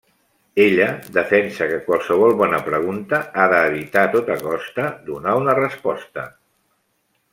Ella defensa que qualsevol bona pregunta ha d'evitar a tota costa donar una resposta.